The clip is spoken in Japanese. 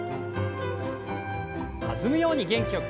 弾むように元気よく。